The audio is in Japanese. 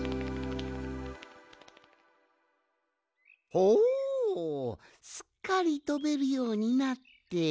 ほおすっかりとべるようになって。